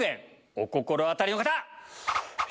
お心当たりの方！